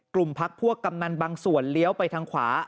พักพวกกำนันบางส่วนเลี้ยวไปทางขวา